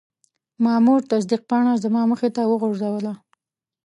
مامور تصدیق پاڼه زما مخې ته وغورځوله.